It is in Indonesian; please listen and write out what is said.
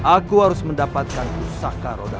aku harus mendapatkan pusaka roda